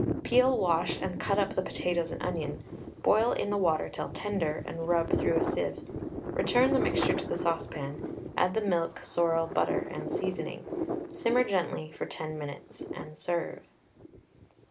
Peel, wash, and cut up the potatoes and onion, boil in the water till tender, and rub through a sieve. Return the mixture to the saucepan, add the milk, sorrel, butter, and seasoning. Simmer gently for 10 minutes, and serve.